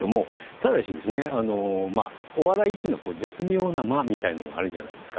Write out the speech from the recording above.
ただし、お笑いというのは絶妙な間みたいなものがあるじゃないですか。